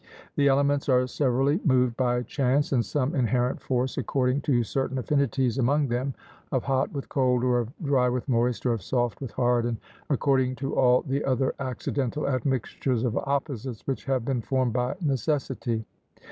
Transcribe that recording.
The elements are severally moved by chance and some inherent force according to certain affinities among them of hot with cold, or of dry with moist, or of soft with hard, and according to all the other accidental admixtures of opposites which have been formed by necessity.